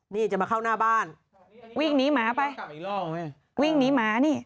นี่จะมาเข้าหน้าบ้านวิ่งหนีหมาไปวิ่งหนีหมานี่